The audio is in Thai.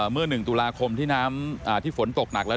เมื่อ๑ตุลาคมที่ฝนตกหนักแล้ว